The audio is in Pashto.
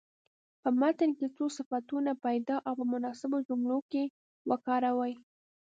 په متن کې څو صفتونه پیدا او په مناسبو جملو کې وکاروئ.